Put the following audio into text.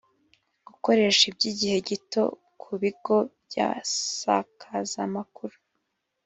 gukoresha by igihe gito ku bigo by isakaza makuru